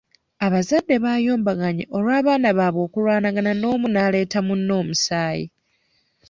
Abazadde bayombaganye olw'abaana baabwe okulwanagana omu n'aleeta munne omusaayi.